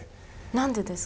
なんでですか？